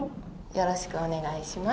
よろしくお願いします。